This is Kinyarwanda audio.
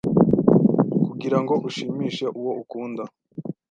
kugirango ushimishe uwo ukunda